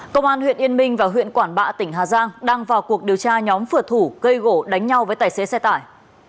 công an huyện yên minh và huyện quản bạ tỉnh hà giang đang vào cuộc điều tra nhóm phượt thủ gây gỗ đánh nhau với tài xế xe tải